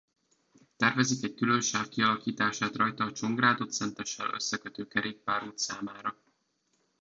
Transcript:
Tervezik egy külön sáv kialakítását rajta a Csongrádot Szentessel összekötő kerékpárút számára.